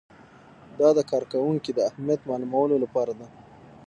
دا د کارکوونکي د اهلیت معلومولو لپاره ده.